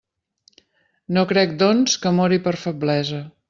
No crec, doncs, que mori per feblesa.